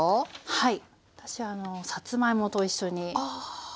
はい。